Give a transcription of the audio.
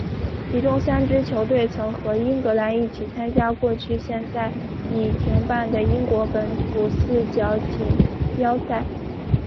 其中三支球队曾和英格兰一起参加过现在已停办的英国本土四角锦标赛。